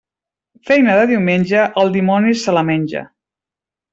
Feina de diumenge, el dimoni se la menja.